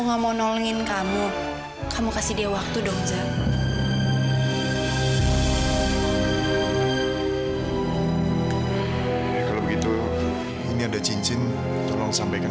terima kasih bapak